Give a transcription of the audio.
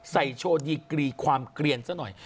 โชว์ดีกรีความเกลียนซะหน่อย